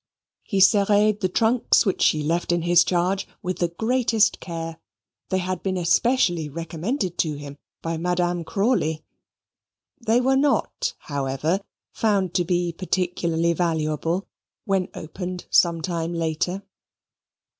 He serred the trunks which she left in his charge with the greatest care. They had been especially recommended to him by Madame Crawley. They were not, however, found to be particularly valuable when opened some time after.